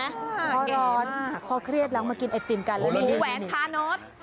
คือคือข้อเครียดน้ำมากินไอติมกัน